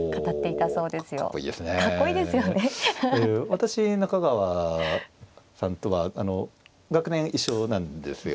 私中川さんとは学年一緒なんですよ。